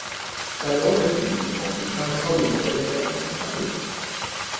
細佬喺屯門河田街收養左一隻流浪狗